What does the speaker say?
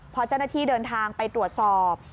พอเจ้าหน้าที่เดินทางไปตรวจสอบ